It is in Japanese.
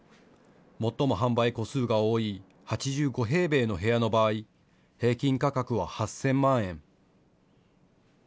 最も販売戸数が多い８５平米の部屋の場合、平均価格は８０００万円。